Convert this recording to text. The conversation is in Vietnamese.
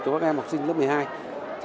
cho các em học sinh lớp một mươi hai